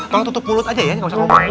kalau tutup mulut aja ya nggak usah ngomongin